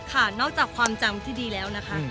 ค่ะนอกจากความจำที่ดีแล้วนะคะ